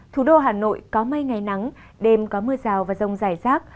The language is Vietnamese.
thủ đô hà nội có mây ngày nắng đêm có mưa rào và rông rải rác